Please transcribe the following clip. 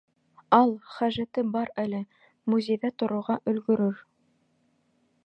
— Ал, хәжәте бар әле, музейҙа торорға өлгөрөр.